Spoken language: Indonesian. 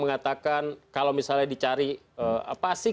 mengatakan kalau misalnya dicari apa sih